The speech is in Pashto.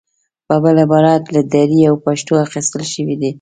په بل عبارت له دري او پښتو اخیستل شوې دي.